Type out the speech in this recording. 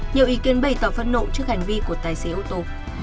nhiều ý kiến bày tỏ phẫn nộ trước hành vi của tài xế ô tô